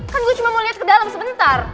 kan gue cuma mau lihat ke dalam sebentar